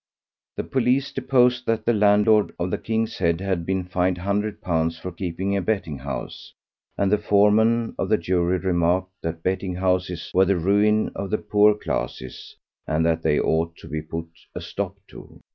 The police deposed that the landlord of the "King's Head" had been fined a hundred pounds for keeping a betting house, and the foreman of the jury remarked that betting houses were the ruin of the poorer classes, and that they ought to be put a stop to.